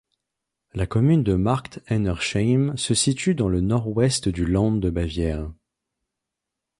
La commune de Markt Einersheim se situe dans le Nord-Ouest du Land de Bavière.